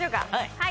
はい。